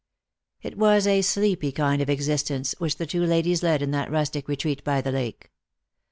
It was a sleepy kind of existence which the two ladies led in that rustic retreat by the lake.